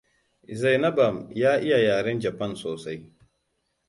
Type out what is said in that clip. Zainabam ya iya yaren Japan sosai.